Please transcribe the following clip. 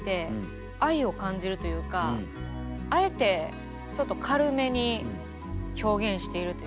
愛を感じるというかあえてちょっと軽めに表現しているというか。